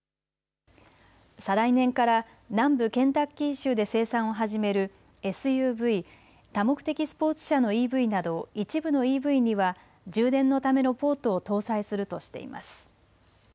再来年から南部ケンタッキー州で生産を始めるＳＵＶ・多目的スポーツ車のＥＶなど一部のＥＶには充電のためのポートを搭載するとしています。